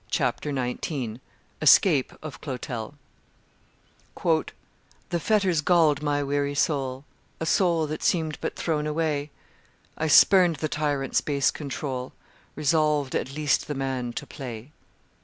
CHAPTER XIX ESCAPE OF CLOTEL "The fetters galled my weary soul A soul that seemed but thrown away; I spurned the tyrant's base control, Resolved at least the man to play."